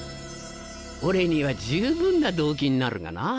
俺には十分な動機になるがな。